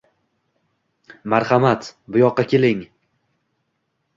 Marhamat, buyoqqa keling.